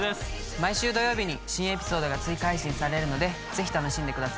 毎週土曜日に新エピソードが追加配信されるのでぜひ楽しんでくださいね。